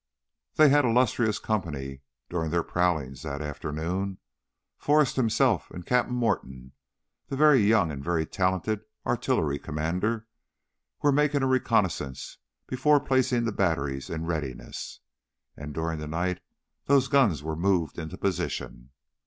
They had illustrious company during their prowling that afternoon. Forrest himself and Captain Morton, that very young and very talented artillery commander, were making a reconnaissance before placing the batteries in readiness. And during the night those guns were moved into position.